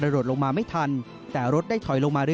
โดดลงก็เลยรถถอยมา